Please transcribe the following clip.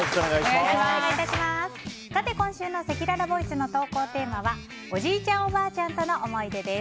今週のせきららボイスの投稿テーマはおじいちゃん・おばあちゃんとの思い出です。